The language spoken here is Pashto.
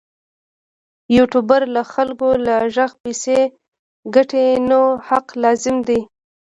یوټوبر د خلکو له غږ پیسې ګټي نو حق لازم دی.